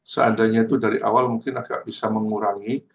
seandainya itu dari awal mungkin agak bisa mengurangi